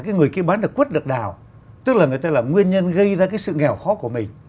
cái người kia bán được quất được đào tức là người ta là nguyên nhân gây ra cái sự nghèo khó của mình